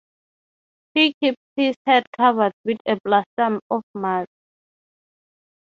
He keeps his head covered with a plaster of mud.